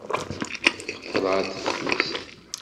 Teqqel ɣer teftist.